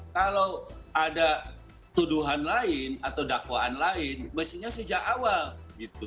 kalau ada tuduhan lain atau dakwaan lain mestinya sejak awal gitu